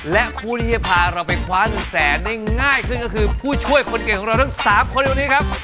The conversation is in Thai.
และผู้ที่จะพาเราไปคว้าเงินแสนได้ง่ายขึ้นก็คือผู้ช่วยคนเก่งของเราทั้ง๓คนในวันนี้ครับ